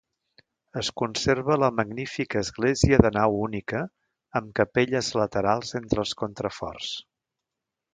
Es conserva la magnífica església de nau única, amb capelles laterals entre els contraforts.